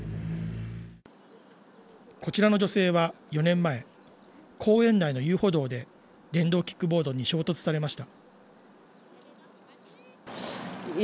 こちらの女性は４年前、公園内の遊歩道で電動キックボードに衝突されました。